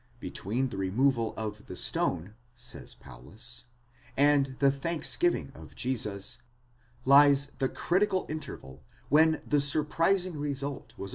Between the removal of the stone, says Paulus, and the thanksgiving of Jesus, lies the critical interval when the surprising result was.